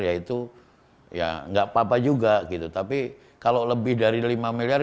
yaitu ya nggak apa apa juga gitu tapi kalau lebih dari lima miliar